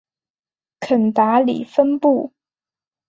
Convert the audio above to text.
肯达里分布。